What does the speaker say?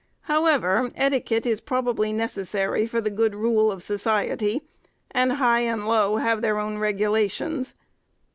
However, etiquette is probably necessary for the good rule of society, and high and low have their own regulations.